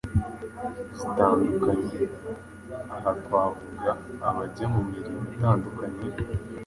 zitandukanye. Aha twavuga abajya mu mirimo itandukanye,